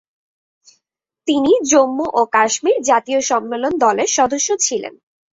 তিনি জম্মু ও কাশ্মীর জাতীয় সম্মেলন দলের সদস্য ছিলেন।